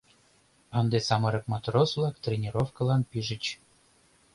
Ынде самырык матрос-влак тренировкылан пижыч.